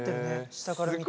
下から見て。